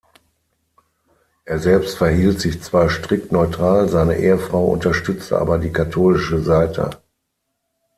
Er selbst verhielt sich zwar strikt neutral, seine Ehefrau unterstützte aber die katholische Seite.